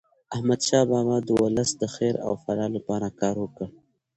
احمد شاه بابا د ولس د خیر او فلاح لپاره کار وکړ.